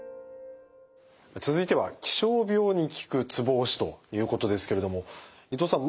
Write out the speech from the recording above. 続いては気象病に効くツボ押しということですけれども伊藤さん